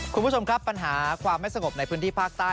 คุณผู้ชมครับปัญหาความไม่สงบในพื้นที่ภาคใต้